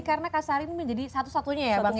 karena kak sari menjadi satu satunya ya bang ya